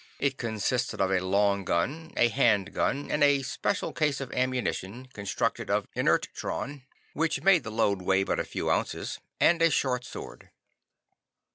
It consisted of a long gun, a hand gun, with a special case of ammunition constructed of inertron, which made the load weigh but a few ounces, and a short sword.